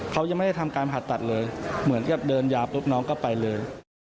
เขายังไม่ได้ทำการผ่าตัดเลยเหมือนกับเดินยาปุ๊บน้องก็ไปเลย